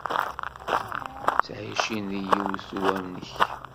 Ttɛicen deg yiwen uwanek.